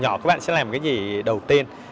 nhỏ các bạn sẽ làm cái gì đầu tiên